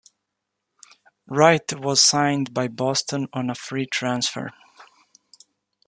Wright was signed by Boston on a free transfer.